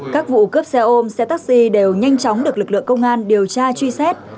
các vụ cướp xe ôm xe taxi đều nhanh chóng được lực lượng công an điều tra truy xét